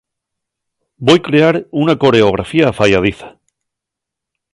Voi crear una coreografía afayadiza.